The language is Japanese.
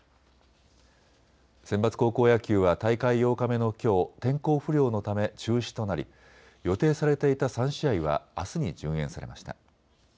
センバツ高校野球は大会８日目のきょう、天候不良のため中止となり予定されていた３試合はあすに順延されました。